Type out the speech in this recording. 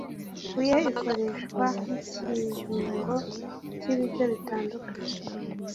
ifu ye ikoreshwa nk’ikirungo cy’ibiryo bitandukanye